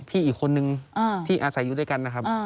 พี่อีกคนนึงที่อาสัยงค์อยู่ด้วยกัน